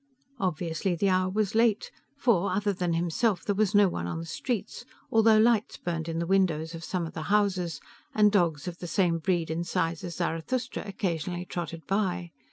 Obviously the hour was late, for, other than himself, there was no one on the streets, although lights burned in the windows of some of the houses, and dogs of the same breed and size as Zarathustra occasionally trotted by.